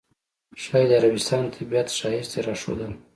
ښایي د عربستان طبیعت ښایست یې راښودله.